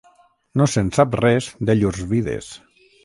No se'n sap res de llurs vides.